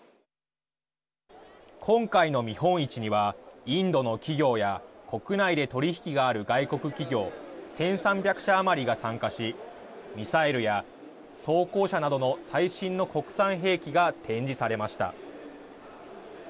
今回の見本市にはインドの企業や国内で取り引きがある外国企業１３００社余りが参加しミサイルや装甲車などの最新の国産兵器が展示されました。